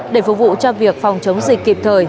để phục vụ cho việc phòng chống dịch kịp thời